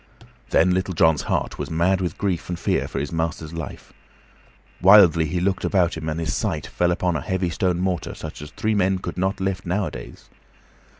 Then Little John's heart was mad with grief and fear for his master's life. Wildly he looked about him, and his sight fell upon a heavy stone mortar, such as three men could not lift nowadays.